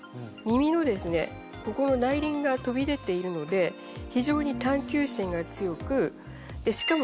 耳の内輪が飛び出ているので非常に探究心が強く